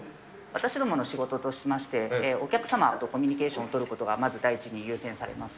私どもの仕事としまして、お客様とコミュニケーションを取ることがまず第一に優先させます。